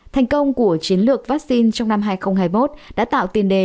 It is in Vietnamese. thành công của chiến lược vaccine trong năm hai nghìn hai mươi một đã tạo tiền đề